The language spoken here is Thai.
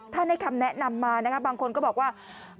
ให้คำแนะนำมานะคะบางคนก็บอกว่า